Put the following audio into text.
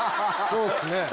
そうっすね。